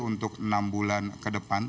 untuk enam bulan ke depan